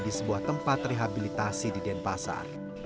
di sebuah tempat rehabilitasi di denpasar